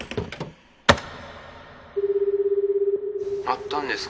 ☎会ったんですか？